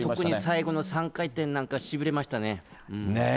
特に最後の３回転なんかしびれましたね。